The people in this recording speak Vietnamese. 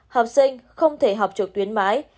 học sinh không thể học trực tuyến mãi